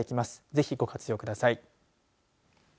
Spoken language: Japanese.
ぜひ、ご活用ください。